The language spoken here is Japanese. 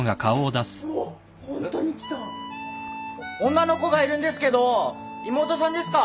女の子がいるんですけど妹さんですか？